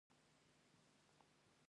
د یهودیانو ځینې روایتونه بیا داسې وایي.